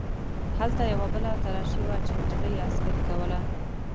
هلته یوه بله تلاشي وه چې نجلۍ عسکرې کوله.